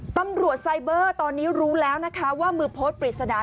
ตำรวจไซเบอร์ตอนนี้รู้แล้วนะคะว่ามือโพสต์ปริศนา